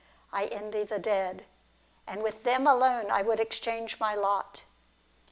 I envy the dead, and with them alone would I exchange my lot.